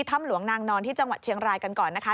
ถ้ำหลวงนางนอนที่จังหวัดเชียงรายกันก่อนนะคะ